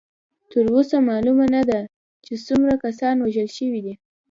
تر اوسه معلومه نه ده چې څومره کسان وژل شوي دي.